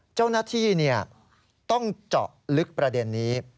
เจ้าหน้าที่ต้องเจาะลึกประเด็นนี้